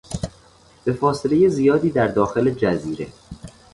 به فاصلهی زیادی در داخل جزیره